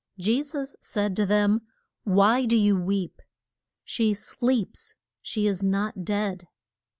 Je sus said to them, Why do you weep? She sleeps; she is not dead.